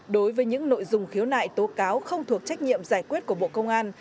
đối với những nội dung khiếu nại tố cáo không thuộc trách nhiệm giải quyết của bộ công an